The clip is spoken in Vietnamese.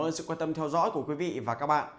cảm ơn sự quan tâm theo dõi của quý vị và các bạn